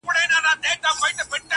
لكه گلاب چي سمال ووهي ويده سمه زه~